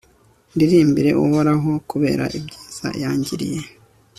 ndirimbire uhoraho kubera ibyiza yangiriye